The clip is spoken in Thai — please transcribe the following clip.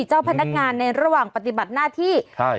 เจ้าพนักงานในระหว่างปฏิบัติหน้าที่ใช่